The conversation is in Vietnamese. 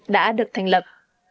đã được thành lập